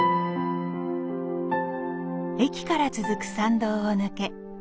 駅から続く参道を抜け